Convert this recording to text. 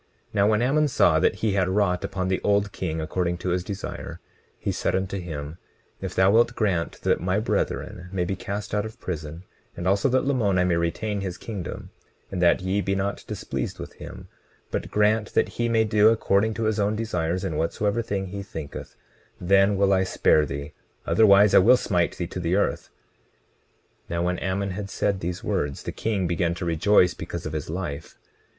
20:24 Now when Ammon saw that he had wrought upon the old king according to his desire, he said unto him: If thou wilt grant that my brethren may be cast out of prison, and also that Lamoni may retain his kingdom, and that ye be not displeased with him, but grant that he may do according to his own desires in whatsoever thing he thinketh, then will I spare thee; otherwise I will smite thee to the earth. 20:25 Now when Ammon had said these words, the king began to rejoice because of his life.